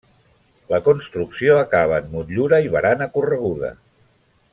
La construcció acaba en motllura i barana correguda.